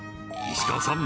石川さん